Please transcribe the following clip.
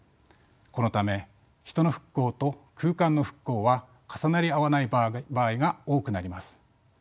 このため人の復興と空間の復興は重なり合わない場合が多くなります。